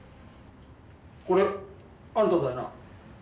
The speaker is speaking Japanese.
これあんただよな。